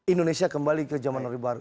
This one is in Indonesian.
indonesia kembali ke zaman orde baru